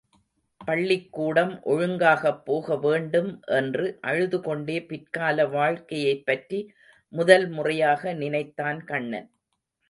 பள்ளிக் கூடம் ஒழுங்காகப் போக வேண்டும் என்று அழுதுகொண்டே பிற்கால வாழ்க்கையைப் பற்றி முதல் முறையாக நினைத்தான் கண்ணன்.